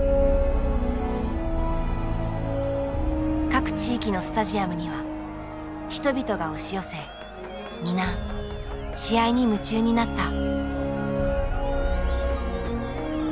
各地域のスタジアムには人々が押し寄せ皆試合に夢中になった。